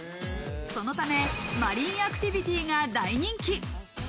そのためマリンアクティビティが大人気。